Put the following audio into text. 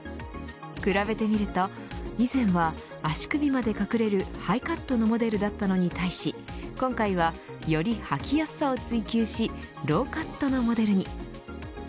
比べてみると、以前は足首まで隠れるハイカットのモデルだったのに対し今回は、より履きやすさを追求しローカットのモデルに。